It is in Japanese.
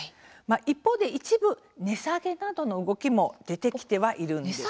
一方で一部、値下げなどの動きも出てきてはいるんです。